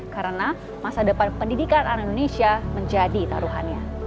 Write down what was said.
karena masa depan pendidikan anak indonesia menjadi taruhannya